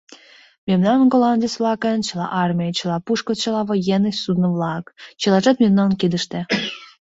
Мемнан, голландец-влакын, чыла армий, чыла пушко, чыла военный судно-влак... чылажат мемнан кидыште.